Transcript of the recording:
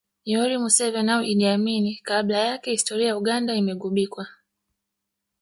Yoweri Museveni au Idi Amin kabla yake historia ya Uganda imeghubikwa